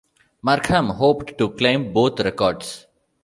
Markham hoped to claim both records.